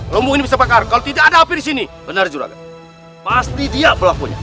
lombok bisa bakar kalau tidak ada hampir di sini benar juragan pasti dia berlakunya